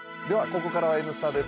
ここからは「Ｎスタ」です。